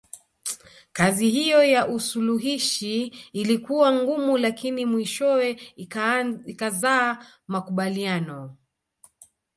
Kazi hiyo ya usuluhishi ilikuwa ngumu lakini mwishowe ikazaa makubaliano